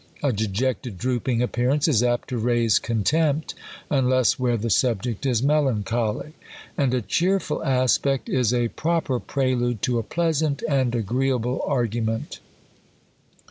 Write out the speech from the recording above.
A dejected drooping ap pearance is apt to raise contempt, unless where the subject is melancholy. And a cheerful aspect is a pro per prelude to a pleasant and agreeable argument.